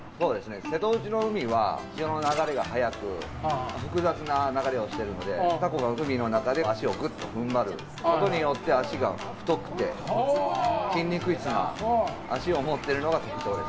瀬戸内の海は潮の流れが速く複雑な流れをしているのでタコが海の中で足をぐっと踏ん張ることで足が太くて、筋肉質な足を持ってるのが特徴です。